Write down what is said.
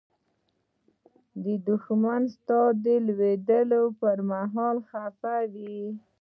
دښمن ستا د لوړېدو پر مهال خپه وي